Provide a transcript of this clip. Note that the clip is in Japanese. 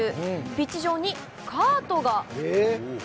ピッチ上にカートが！